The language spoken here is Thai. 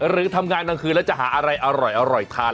หรือทำงานตอนคืนแล้วจะหาอะไรอร่อยอร่อยทาน